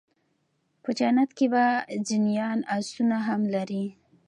په جنت کي به جنيان آسونه هم لري